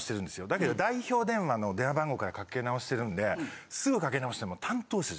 だけど代表電話の電話番号からかけなおしてるんですぐかけなおしても。